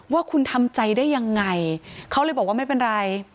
ว่าคุณทำใจได้ยังไงเขาเลยบอกว่าไม่เป็นไร